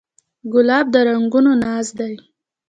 ګلاب د رنګونو ناز دی.